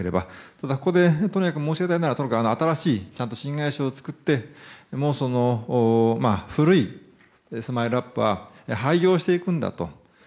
ただ、ここでとにかく申し上げたいのは新しい新会社を作って古いＳＭＩＬＥ‐ＵＰ．は廃業していくんだと。